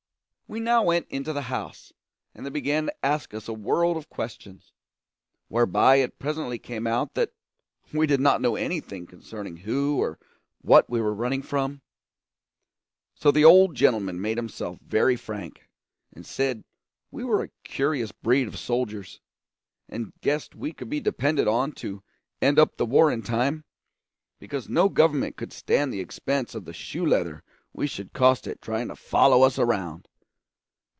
We now went into the house, and they began to ask us a world of questions, whereby it presently came out that we did not know anything concerning who or what we were running from; so the old gentleman made himself very frank, and said we were a curious breed of soldiers, and guessed we could be depended on to end up the war in time, because no Government could stand the expense of the shoe leather we should cost it trying to follow us around.